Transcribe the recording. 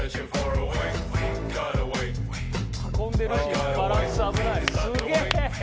運んでるしバランス危ないすげえ！